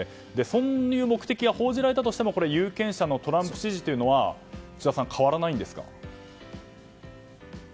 そういう目的が報じられたとしても有権者のトランプ支持は変わらないんですか？